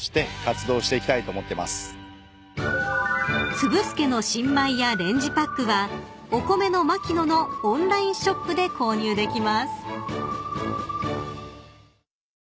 ［粒すけの新米やレンジパックはお米のまきののオンラインショップで購入できます］